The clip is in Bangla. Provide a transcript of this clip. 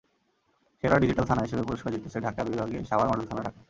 সেরা ডিজিটাল থানা হিসেবে পুরস্কার জিতেছে ঢাকা বিভাগে সাভার মডেল থানা, ঢাকা।